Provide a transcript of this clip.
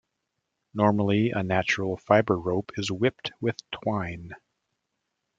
Normally a natural fibre rope is whipped with twine.